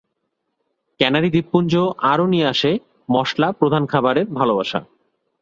Canary দ্বীপপুঞ্জ আরো নিয়ে আসে "মশলা প্রধান খাবারের ভালোবাসা"।